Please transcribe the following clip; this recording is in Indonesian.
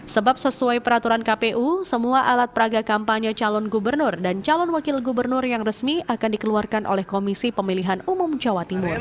sebab sesuai peraturan kpu semua alat peraga kampanye calon gubernur dan calon wakil gubernur yang resmi akan dikeluarkan oleh komisi pemilihan umum jawa timur